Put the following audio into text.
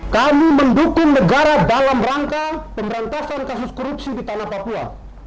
kami mendukung negara dalam rangka pemberantasan kasus korupsi di tanah papua